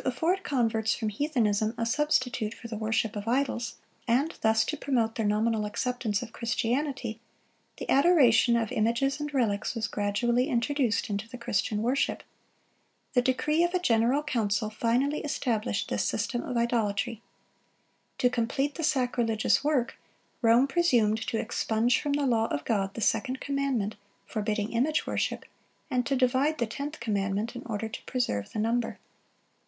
To afford converts from heathenism a substitute for the worship of idols, and thus to promote their nominal acceptance of Christianity, the adoration of images and relics was gradually introduced into the Christian worship. The decree of a general council(75) finally established this system of idolatry. To complete the sacrilegious work, Rome presumed to expunge from the law of God the second commandment, forbidding image worship, and to divide the tenth commandment, in order to preserve the number.